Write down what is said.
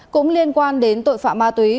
cũng liên quan đến tội phạm ma túy